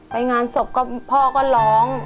ไปงานศพก็พ่อก็ร้อง